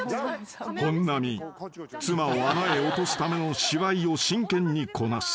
［本並妻を穴へ落とすための芝居を真剣にこなす］